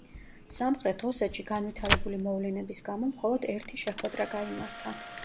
სამხრეთ ოსეთში განვითარებული მოვლენების გამო მხოლოდ ერთი შეხვედრა გაიმართა.